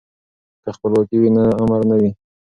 که خپلواکي وي نو امر نه وي.